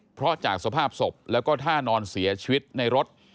เพราะจากสภาพศพแล้วก็ท่านอนเสียชีวิตในรถ